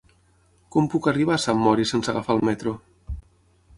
Com puc arribar a Sant Mori sense agafar el metro?